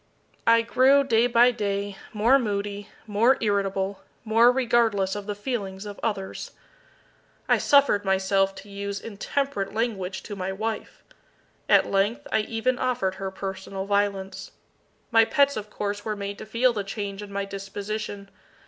I grew, day by day, more moody, more irritable, more regardless of the feelings of others. I suffered myself to use intemperate language to my wife. At length, I even offered her personal violence. My pets of course were made to feel the change in my disposition.